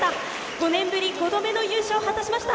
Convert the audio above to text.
５年ぶり５度目の優勝を果たしました。